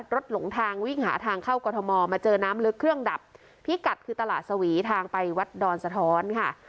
หลงทางวิ่งหาทางเข้ากรทมมาเจอน้ำลึกเครื่องดับพิกัดคือตลาดสวีทางไปวัดดอนสะท้อนค่ะ